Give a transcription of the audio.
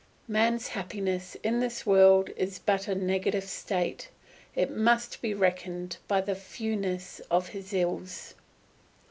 Man's happiness in this world is but a negative state; it must be reckoned by the fewness of his ills.